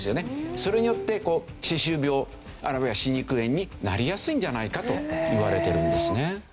それによって歯周病あるいは歯肉炎になりやすいんじゃないかといわれてるんですね。